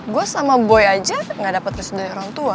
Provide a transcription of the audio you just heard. gue sama boy aja gak dapet riset dari orang tua